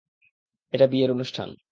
এটা বিয়ের অনুষ্ঠান।